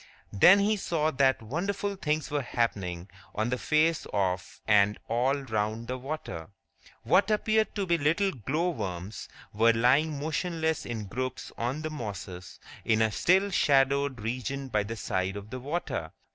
Then he saw that wonderful things were happening on the face of and all round the water. What appeared to be little glow worms were lying motionless in groups on the mosses in a still shadowed region by the side of the water.